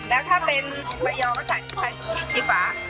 แล้วถ้าเป็นประยองก็ใส่คริสชีฟ้า